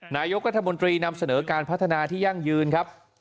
นายกรัฐมนตรีนำเสนอการพัฒนาที่ยั่งยืนครับ